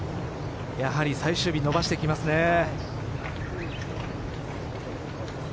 やはり最終日伸ばしていきますね。